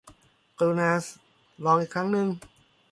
กรุณาลองอีกครั้งหนึ่ง